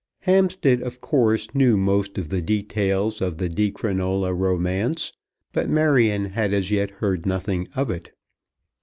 Hampstead, of course, knew most of the details of the Di Crinola romance, but Marion had as yet heard nothing of it.